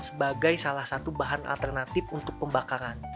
sebagai salah satu bahan alternatif untuk pembakaran